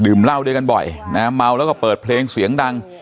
เหล้าด้วยกันบ่อยนะฮะเมาแล้วก็เปิดเพลงเสียงดัง